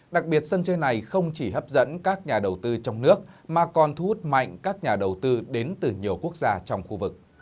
đặc biệt sân chơi này không chỉ hấp dẫn các nhà đầu tư trong nước mà còn thu hút mạnh các nhà đầu tư đến từ nhiều quốc gia trong khu vực